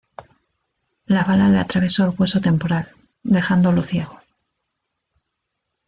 La bala le atravesó el hueso temporal, dejándolo ciego.